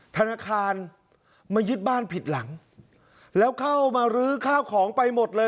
ธนาคารมายึดบ้านผิดหลังแล้วเข้ามารื้อข้าวของไปหมดเลย